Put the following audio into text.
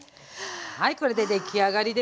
はいこれで出来上がりです。